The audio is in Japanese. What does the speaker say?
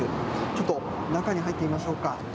ちょっと中に入ってみましょうか。